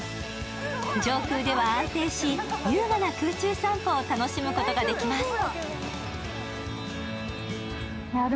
上空では安定し優雅な空中散歩を楽しむことができます。